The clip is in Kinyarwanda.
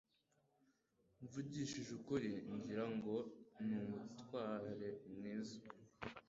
Mvugishije ukuri, ngira ngo ni umutware mwiza.